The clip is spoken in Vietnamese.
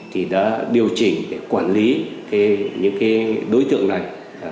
thì đã điều chỉnh để quản lý những đối tượng này